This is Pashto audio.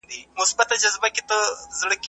د سترګو په څېر یې وساتو.